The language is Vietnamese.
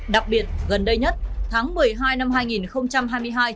đặc biệt gần đây nhất tháng một mươi hai năm